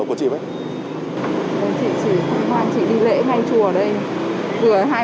từ hôm nay đến hôm nay